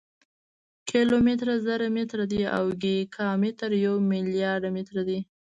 کیلومتر زر متره دی او ګیګا متر یو ملیارډ متره دی.